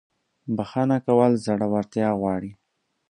• بخښنه کول زړورتیا غواړي.